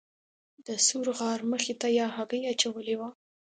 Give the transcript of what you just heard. د ثور غار مخې ته یې هګۍ اچولې وه.